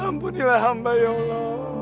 ampunilah hamba ya allah